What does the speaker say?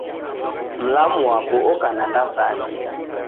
Mlamu wapo oka na ndasanya